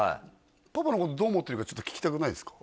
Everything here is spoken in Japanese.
パパのことどう思ってるかちょっと聞きたくないですか？